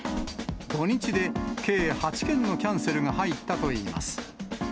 土日で計８件のキャンセルが入ったといいます。